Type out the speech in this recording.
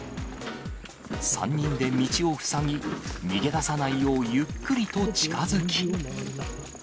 ３人で道を塞ぎ、逃げ出さないよう、ゆっくりと近づき。